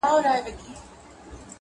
په ټول تاريخ کي تل